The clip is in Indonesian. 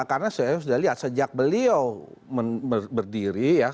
karena saya sudah lihat sejak beliau berdiri